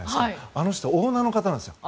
あの人、オーナーの方なんです。